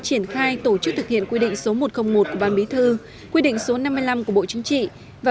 triển khai tổ chức thực hiện quy định số một trăm linh một của ban bí thư quy định số năm mươi năm của bộ chính trị và